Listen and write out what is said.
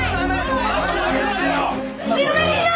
静かにしな！